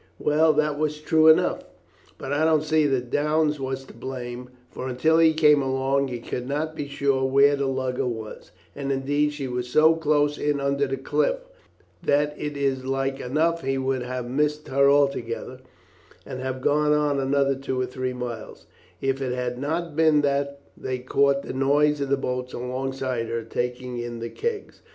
"Well, that was true enough; but I don't see that Downes was to blame, for until he came along he could not be sure where the lugger was, and indeed she was so close in under the cliff that it is like enough he would have missed her altogether and have gone on another two or three miles, if it had not been that they caught the noise of the boats alongside her taking in the kegs.